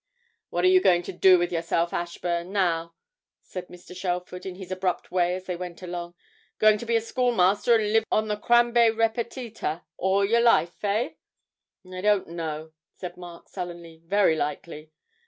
'What are you going to do with yourself, Ashburn, now?' said Mr. Shelford in his abrupt way as they went along. 'Going to be a schoolmaster and live on the crambe repetita all your life, hey?' 'I don't know,' said Mark sullenly; 'very likely.'